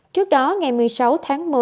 trước đó ngày một mươi sáu tháng một mươi